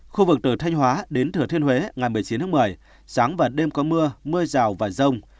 khu vực từ thanh hóa đến thừa thiên huế ngày một mươi chín tháng một mươi sáng và đêm có mưa mưa rào và rông